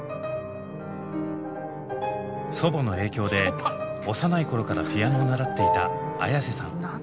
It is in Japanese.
祖母の影響で幼い頃からピアノを習っていたＡｙａｓｅさん。